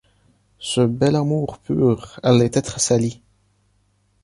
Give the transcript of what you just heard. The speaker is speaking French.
Ce bel amour pur allait être sali.